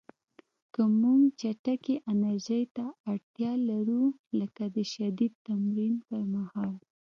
که موږ چټکې انرژۍ ته اړتیا لرو، لکه د شدید تمرین پر مهال